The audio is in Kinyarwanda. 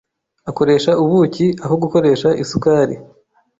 Akoresha ubuki aho gukoresha isukari.